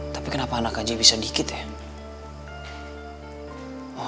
tapi kenapa anak aja bisa dikit ya